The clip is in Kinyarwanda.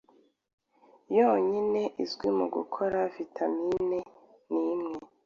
yonyine izwi mugukora vitamine nimwe